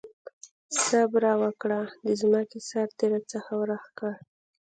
صبره وکړه! د ځمکې سر دې راڅخه ورک کړ.